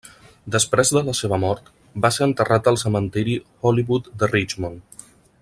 Després de la seva mort, va ser enterrat al cementiri Hollywood de Richmond.